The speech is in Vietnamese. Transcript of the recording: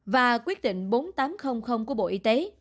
và quyết định bốn nghìn tám trăm linh của bộ y tế